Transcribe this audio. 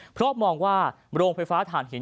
เพราะมองว่าโรงไฟฟ้าฐานหิน